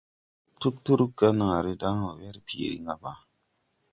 Tugturu ga naaré daŋ wɔ werpiiri ngaba.